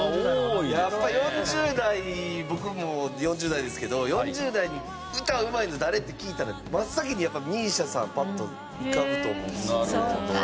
やっぱ４０代僕も４０代ですけど４０代に歌うまいの誰？って聞いたら真っ先にやっぱＭＩＳＩＡさんパッと浮かぶと思うんですよね。